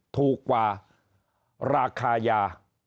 ถูกกว่าราคายา